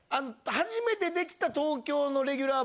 初めてできた東京のレギュラー番組